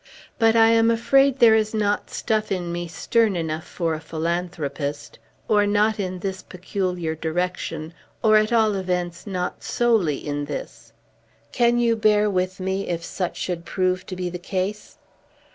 But I am afraid there is not stuff in me stern enough for a philanthropist, or not in this peculiar direction, or, at all events, not solely in this. Can you bear with me, if such should prove to be the case?"